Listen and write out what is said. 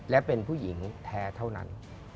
และเป็นผู้หญิงแท้เท่านั้น